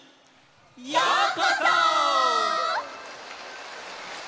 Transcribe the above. ようこそ！